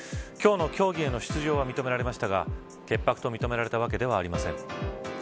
今日の競技への出場は認められましたが潔白と認められたわけではありません。